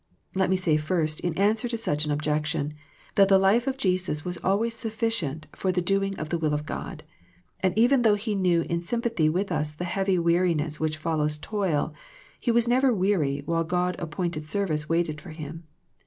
Let me say first in answer to such an objection, that the life of Jesus was always sufficient for the doing of the will of God, and even though He knew in sym pathy with us the heavy weariness which follows toil, He was never weary while God appointed service waited for Him.